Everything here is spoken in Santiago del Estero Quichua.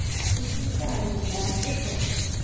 kuchista rini rantikoq